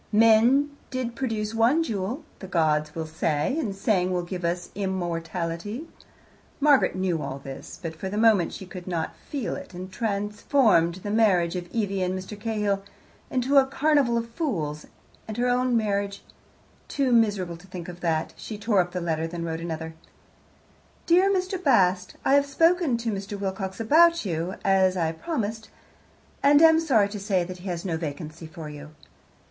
"Men did produce one jewel," the gods will say, and, saying, will give us immortality. Margaret knew all this, but for the moment she could not feel it, and transformed the marriage of Evie and Mr. Cahill into a carnival of fools, and her own marriage too miserable to think of that, she tore up the letter, and then wrote another: Dear Mr. Bast, I have spoken to Mr. Wilcox about you, as I promised, and am sorry to say that he has no vacancy for you.